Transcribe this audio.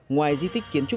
ngoài di tích kiến trúc